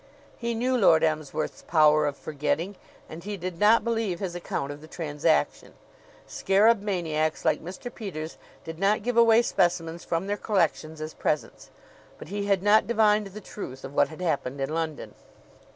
He knew Lord Emsworth's power of forgetting and he did not believe his account of the transaction. Scarab maniacs like Mr. Peters did not give away specimens from their collections as presents. But he had not divined the truth of what had happened in London.